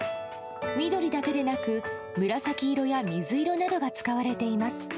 緑だけでなく、紫色や水色などが使われています。